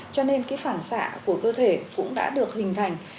cho nên cái phản xạ của cơ thể cũng đã được hình thành